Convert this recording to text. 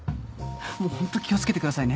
もうホント気を付けてくださいね。